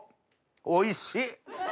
おいしい！